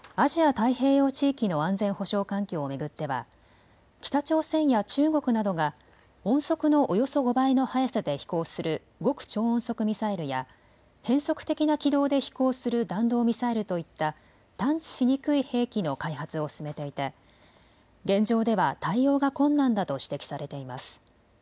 太平洋地域の安全保障環境を巡っては北朝鮮や中国などが音速のおよそ５倍の速さで飛行する極超音速ミサイルや変則的な軌道で飛行する弾道ミサイルといった探知しにくい兵器の開発を進めていて現場では対応が困難だと指摘されています。